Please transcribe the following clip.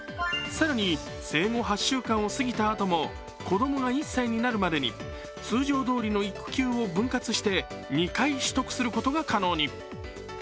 更に、生後８週間を過ぎたあとも子供が１歳になるまでに通常どおりの育休を分割して２回取得することが可能に。